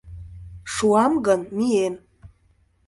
Шуам гын, мием.